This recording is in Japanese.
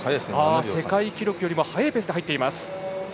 世界記録より速いペースで入っています。